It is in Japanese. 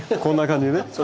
こんな感じね。